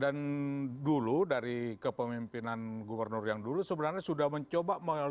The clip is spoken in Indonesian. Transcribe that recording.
dan dulu dari kepemimpinan gubernur yang dulu sebenarnya sudah mencoba melihatnya